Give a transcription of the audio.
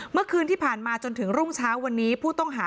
เมื่อคืนที่ผ่านมาจนถึงรุ่งเช้าวันนี้ผู้ต้องหา